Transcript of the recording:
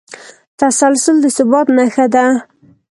تسلسل د ثبات نښه ده.